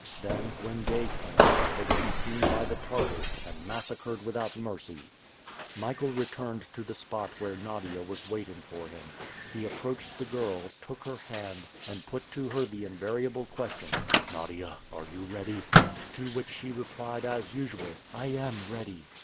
Then, when day came, they would be seen by the Tartars, and massacred without mercy! Michael returned to the spot where Nadia was waiting for him. He approached the girl, took her hand, and put to her the invariable question: "Nadia, are you ready?" to which she replied as usual, "I am ready!"